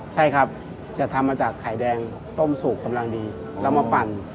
ใช่ครับจะทำมาจากไข่แดงต้มสุกกำลังดีแล้วมาปั่น